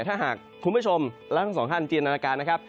ถ้าหากคุณผู้ชมและทั้งสองท่านจินตนาการนะครับ